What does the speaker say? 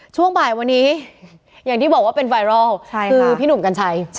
ช่วงบ่ายวันนี้อย่างที่บอกว่าเป็นไวรัลคือพี่หนุ่มกัญชัย